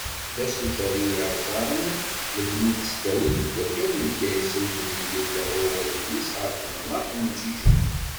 D asuter i yerzan lebni n tesdawit deg wakal n Bgayet seld mi yella wawway-ines ɣer temnaḍt n Jijel.